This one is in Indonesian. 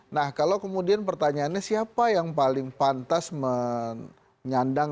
nah kalau kemudian pertanyaannya siapa yang paling pantas menyandang